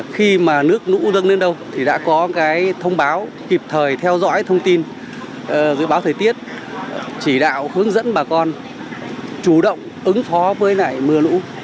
khi mà nước nũ dâng lên đâu thì đã có thông báo kịp thời theo dõi thông tin dự báo thời tiết chỉ đạo hướng dẫn bà con chủ động ứng phó với mưa nũ